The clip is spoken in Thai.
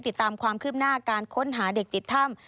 ติดตามความคืบหน้าการค้นหาเด็กติดถ้ำ